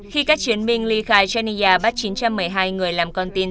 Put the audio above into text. khi các chiến binh ly khai genia bắt chín trăm một mươi hai người làm con tin